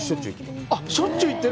しょっちゅう行ってる。